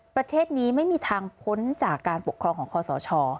ประเทศนี้ไม่มีทางพ้นจากการปกครองของคอสช